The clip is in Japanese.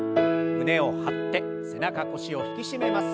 胸を張って背中腰を引き締めます。